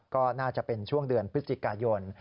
ก็น่าจะเป็นช่วงเดือนพฤศจิกายน